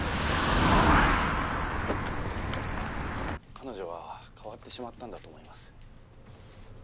彼女は変わってしまったんだと思います。